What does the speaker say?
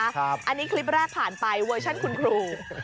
อันนี้คลิปแรกผ่านไปเวอร์ชั่นคุณครู